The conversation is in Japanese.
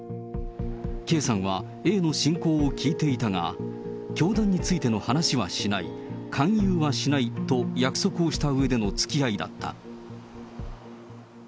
ＫさんはＡの信仰を聞いていたが、教団についての話はしない、勧誘はしないと約束をしたうえでのつきあいだった。